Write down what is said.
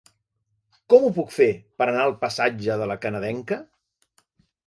Com ho puc fer per anar al passatge de La Canadenca?